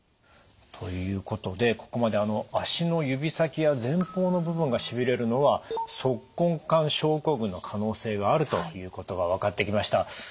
ということでここまで足の指先や前方の部分がしびれるのは足根管症候群の可能性があるということが分かってきました。